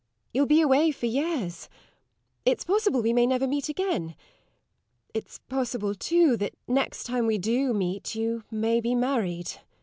You'll be away for years; it's possible we may never meet again. It's possible, too, that next time we do meet you may be married.